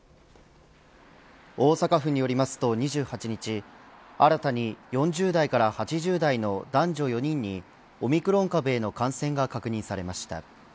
大阪府によりますと２８日新たに４０代から８０代の男女４人に、オミクロン株への感染が確認されました。